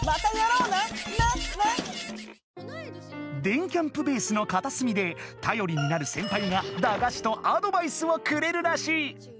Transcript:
電キャんぷベースのかたすみでたよりになるセンパイがだがしとアドバイスをくれるらしい。